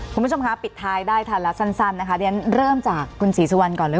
คุณผู้ชมคะปิดท้ายได้ทันแล้วสั้นนะคะเรียนเริ่มจากคุณศรีสุวรรณก่อนเลย